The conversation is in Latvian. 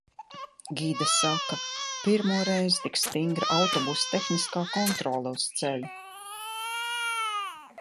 Gide saka - pirmo reizi tik stingra autobusa tehniskā kontrole uz ceļa.